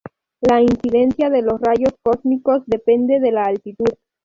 La incidencia de los rayos cósmicos depende de la altitud.